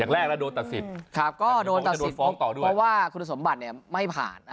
เพราะว่าคุณสมบัติไม่ผ่าน